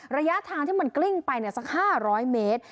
ระยะทางที่มันกลิ้งไปสัก๕๐๐เมตร